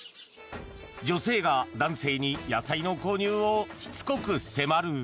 女性が男性に野菜の購入をしつこく迫る。